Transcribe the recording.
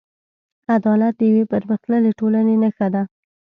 عدالت د یوې پرمختللې ټولنې نښه ده.